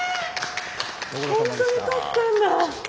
本当に取ったんだ。